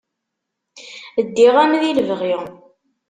Ddiɣ-am di lebɣi.